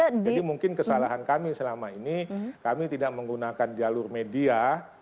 jadi mungkin kesalahan kami selama ini kami tidak menggunakan jalur media